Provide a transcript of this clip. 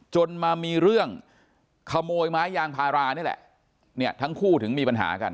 จนมามีเรื่องขโมยไม้ยางพารานี่แหละเนี่ยทั้งคู่ถึงมีปัญหากัน